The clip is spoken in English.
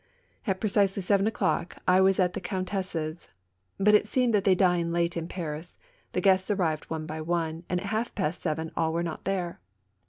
'* At precisely seven o'clock, I was at the Countess'. But it seems that they dine late in Paris; the guests arrived one by one, and at half past seven all were not there.